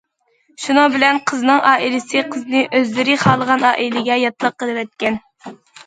شۇنىڭ بىلەن قىزنىڭ ئائىلىسى قىزنى ئۆزلىرى خالىغان ئائىلىگە ياتلىق قىلىۋەتكەن.